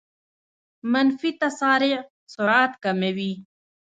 منفي تسارع سرعت کموي.